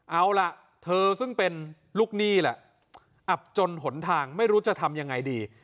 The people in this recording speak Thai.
เอาล่ะเธอซึ่งเป็นลูกหนี้แหละอับจนหนทางไม่รู้จะทำยังไงดี